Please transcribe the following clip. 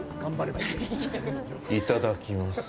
いただきます。